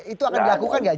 itu akan dilakukan nggak